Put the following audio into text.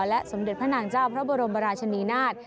และสมเด็จพระนางเจ้าพระบรมราชนีนาฏ